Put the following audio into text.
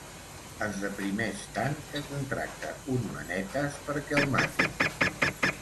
Es deprimeix tant que contracta un "manetes" perquè el mati.